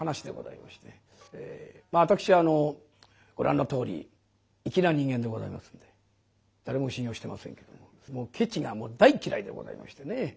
私ご覧のとおり粋な人間でございますんで誰も信用してませんけどもケチがもう大っ嫌いでございましてね。